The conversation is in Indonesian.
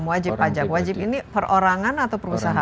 sembilan puluh enam wajib pajak wajib ini perorangan atau perusahaan